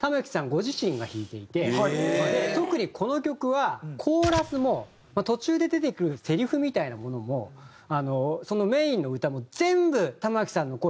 ご自身が弾いていて特にこの曲はコーラスも途中で出てくるせりふみたいなものもそのメインの歌も全部玉置さんの声で。